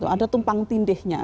ada tumpang tindihnya